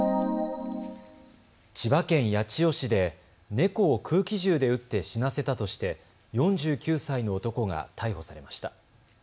千葉県八千代市で猫を空気銃で撃って死なせたとして４９歳の男が逮捕されました。